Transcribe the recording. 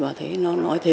bảo thế nó nói thế